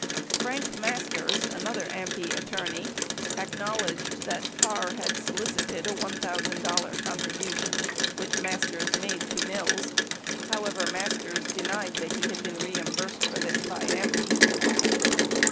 Frank Masters, another AMPI attorney, acknowledged that Parr had solicited a $1,000 contribution which Masters made to Mills ; however, Masters denied that he had been reimbursed for this by AMPI.